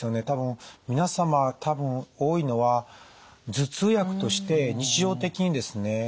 多分皆様多分多いのは頭痛薬として日常的にですね